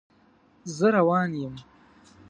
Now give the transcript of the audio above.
زه روان یم